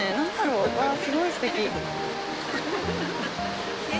うわあ、すごいすてき。